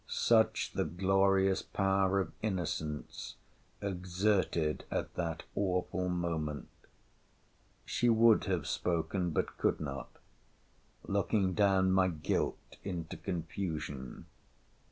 —such the glorious power of innocence exerted at that awful moment! She would have spoken, but could not, looking down my guilt into confusion.